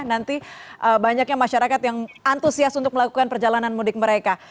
nanti banyaknya masyarakat yang antusias untuk melakukan perjalanan mudik mereka